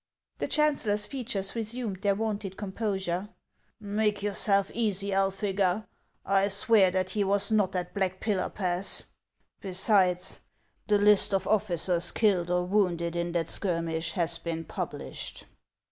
The chancellor's features resumed their wonted com HANS OF ICELAND. 429 posure. " Make yourself easy, Elphega. I swear that he was not at Black Pillar Pass. Besides, the list of officers killed or wounded in that skirmish has been published."